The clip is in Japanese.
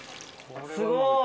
すごい！